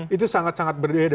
itu sangat sangat berbeda